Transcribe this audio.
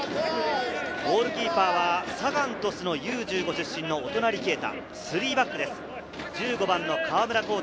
ゴールキーパーはサガン鳥栖のＵ−１５出身、音成啓太。